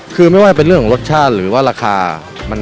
คือไม่ว่าเป็นเรื่องของรสชาติหรือว่าราคา